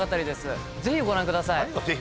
何が「ぜひご覧ください」。